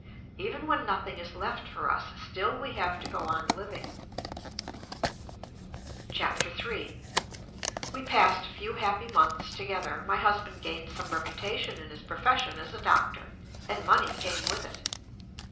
Even when nothing is left for us, still we have to go on living. III We passed a few happy months together. My husband gained some reputation in his profession as a doctor. And money came with it.